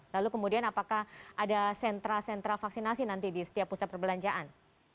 lalu kemudian apakah ada sentra sentra vaksinasi nanti di setiap pusat perbelanjaan